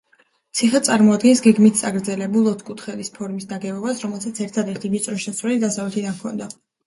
ციხე წარმოადგენს გეგმით წაგრძელებულ, ოთხკუთხედის ფორმის ნაგებობას, რომელსაც ერთადერთი ვიწრო შესასვლელი დასავლეთიდან ჰქონდა.